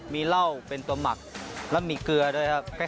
มีเหล้าเป็นตัวหมักแล้วมีเกลือด้วยครับ